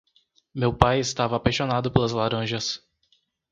Meu pai estava apaixonado pelas laranjas.